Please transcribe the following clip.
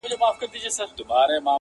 کښتۍ وان یم له څپو سره چلېږم!!